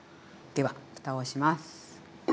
ではふたをします。